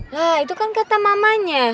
nah itu kan kata mamanya